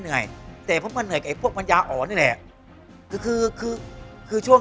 เหนื่อยแต่เพราะมันเหนื่อยกับไอ้พวกปัญญาอ่อนนี่แหละคือช่วง